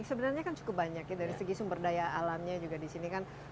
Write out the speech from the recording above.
sebenarnya kan cukup banyak ya dari segi sumber daya alamnya juga di sini kan